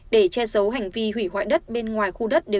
để che giấu hành vi hủy hoại đất